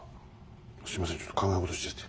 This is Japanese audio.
すいませんでした考え事してて。